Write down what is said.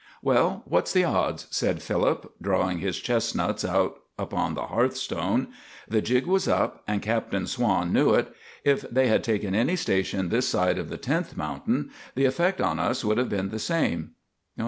"Well, what's the odds?" said Philip, drawing his chestnuts out upon the hearthstone. "The jig was up, and Captain Swann knew it. If they had taken any station this side of the tenth mountain, the effect to us would have been the same."